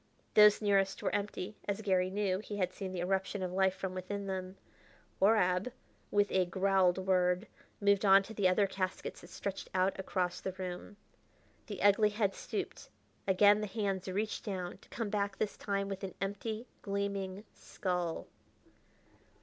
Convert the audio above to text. Those nearest were empty, as Garry knew; he had seen the eruption of life from within them. Horab, with a growled word, moved on to the other caskets that stretched out across the room. The ugly head stooped; again the hands reached down, to come back this time with an empty, gleaming skull.